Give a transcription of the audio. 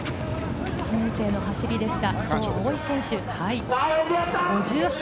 １年生の走りでした。